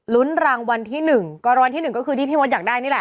ลุ้นรางวันที่๑กรณวันที่๑ก็คือที่พี่มดอยากได้นี่แหละ